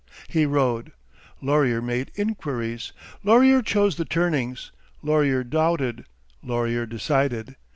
He rode. Laurier made inquiries, Laurier chose the turnings, Laurier doubted, Laurier decided.